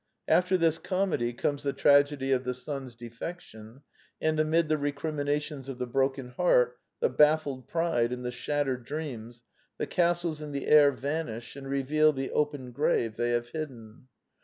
After this comedy comes the tragedy of the son's defection; and amid the recriminations of the broken heart, the baffled pride, and the shattered dreams, the casdes in the air vanish and reveal the open grave they have hidden.